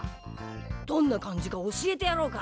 どんな感じか教えてやろうか。